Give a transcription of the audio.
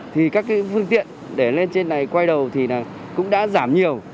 thì các cái phương tiện để lên trên này quay đầu thì cũng đã giảm nhiều